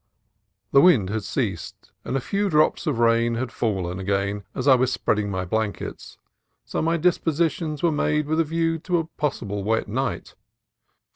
The wind had ceased, and a few drops of rain had fallen again as I was spreading my blankets, so ROADSIDE CAMP AND COMPANY 91 my dispositions were made with a view to a possible wet night.